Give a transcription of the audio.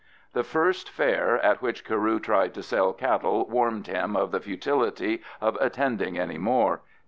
The first fair at which Carew tried to sell cattle warned him of the futility of attending any more.